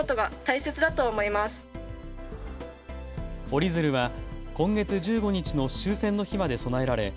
折り鶴は今月１５日の終戦の日まで供えられ